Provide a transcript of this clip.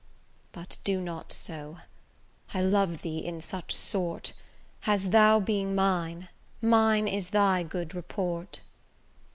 But do not so; I love thee in such sort, As, thou being mine, mine is thy good report.